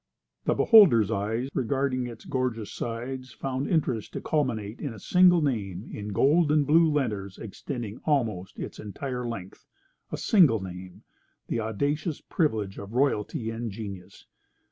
The beholder's eye, regarding its gorgeous sides, found interest to culminate in a single name in gold and blue letters extending almost its entire length—a single name, the audacious privilege of royalty and genius.